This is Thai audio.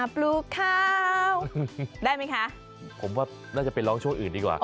ผมว่าน่าจะไปร้องช่วงอื่นดีกว่า